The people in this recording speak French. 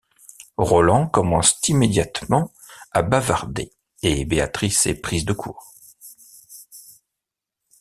Roland commence immédiatement à bavarder et Béatrice est prise de court.